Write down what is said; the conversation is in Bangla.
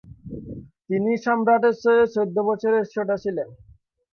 তিনি সম্রাটের চেয়ে চৌদ্দ বছরের ছোট ছিলেন।